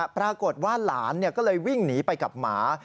ปรากฏว่าหลานก็เลยวิ่งหนีไปกับหมา